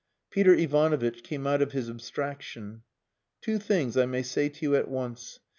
Peter Ivanovitch came out of his abstraction. "Two things I may say to you at once.